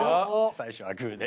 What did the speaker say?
最初はグー。